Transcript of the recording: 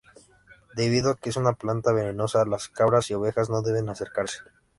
Debido a que es una planta venenosa, las cabras y ovejas no deben acercarse.